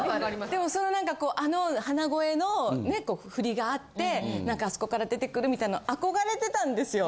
でもそのなんかあの鼻声の振りがあってあそこから出てくるみたいなの憧れてたんですよ。